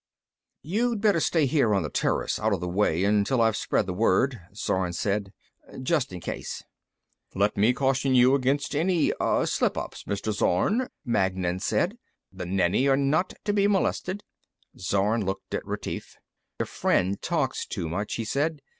V "You'd better stay here on this terrace out of the way until I've spread the word," Zorn said. "Just in case." "Let me caution you against any ... ah ... slip ups, Mr. Zorn," Magnan said. "The Nenni are not to be molested " Zorn looked at Retief. "Your friend talks too much," he said.